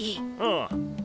ああ。